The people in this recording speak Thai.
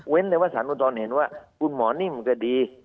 เว้นเลยว่าสามารถตอนเห็นว่าคุณหมอนี่มันก็ดี